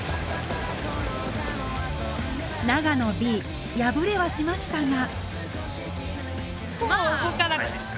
長野Ｂ敗れはしましたが。